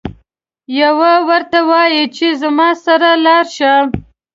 یو ورته وایي چې زما سره لاړشه.